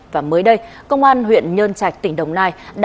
và mới đây công an huyện nhân trạch tỉnh đồng nai